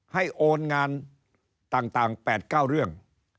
ให้โอนงานต่างแปดเก้าเรื่อง